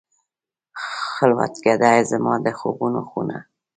خلوتکده، زما د خوبونو خونه